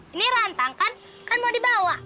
ini rantang kan mau dibawa